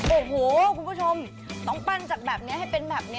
โอ้โหคุณผู้ชมต้องปั้นจากแบบนี้ให้เป็นแบบนี้